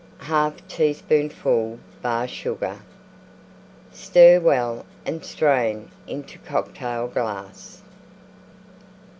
1/2 teaspoonful Bar Sugar. Stir well and strain into Cocktail glass.